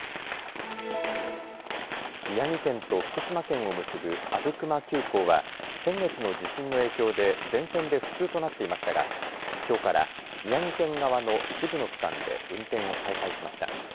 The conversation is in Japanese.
宮城県と福島県を結ぶ阿武隈急行は先月の地震の影響で全線で不通となっていましたがきょうから宮城県側の一部の区間で運転を再開しました。